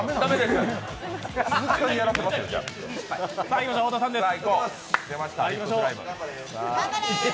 いきましょう、太田さんです。